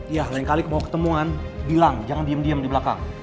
iya lain kali mau ketemuan bilang jangan diem diem di belakang